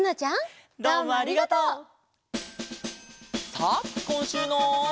さあこんしゅうの。